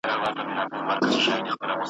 دې تور مارته له خالقه سزا غواړم !.